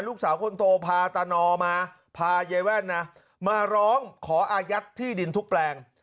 ลูกสาวคนโตพาตานอมาพายายแว่นนะมาร้องขออายัดที่ดินทุกแปลง